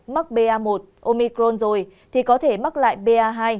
mắc ba một omicron rồi thì có thể mắc lại ba